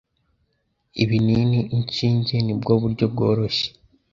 ibinini, inshinge nibwo buryo bworoshye